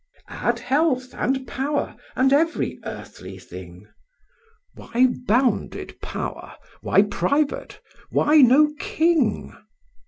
Add health, and power, and every earthly thing, "Why bounded power? why private? why no king?"